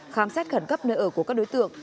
khám xét khẩn cấp nơi ở của các đối tượng